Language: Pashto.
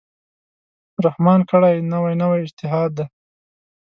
رحمان کړی، نوی نوی اجتهاد دی